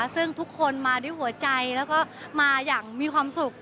ซึ่งทุกคนมาด้วยหัวใจแล้วก็มาอย่างมีความสุข